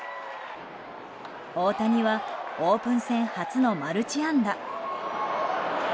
大谷はオープン戦初のマルチ安打。